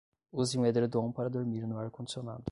Use um edredom para dormir no ar condicionado